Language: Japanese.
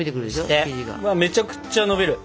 うわめちゃくちゃのびる。